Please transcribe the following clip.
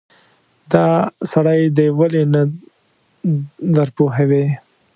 دا سړی دې ولې نه درپوهوې.